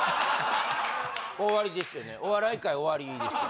終わりですよね。